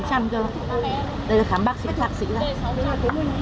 đây là khám bác sĩ bác sĩ ra